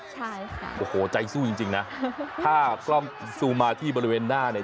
ใช่ค่ะโอ้โหใจสู้จริงจริงนะถ้ากล้องซูมาที่บริเวณหน้าเนี่ย